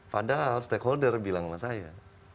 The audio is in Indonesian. padahal stakeholder bilang sama saya